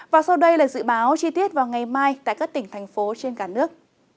và sau đây là dự báo chi tiết vào ngày mai tại các tỉnh thành phố trên cả nước